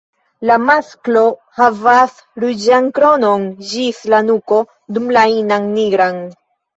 La masklo havas ruĝan kronon ĝis la nuko, dum la inon nigran.